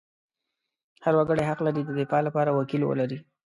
هر وګړی حق لري د دفاع لپاره وکیل ولري.